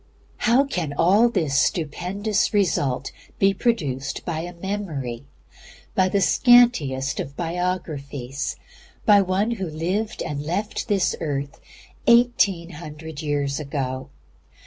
How can all this stupendous result be produced by a Memory, by the scantiest of all Biographies, by One who lived and left this earth eighteen hundred years ago?